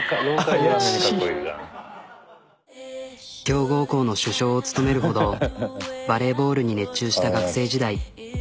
強豪校の主将を務めるほどバレーボールに熱中した学生時代。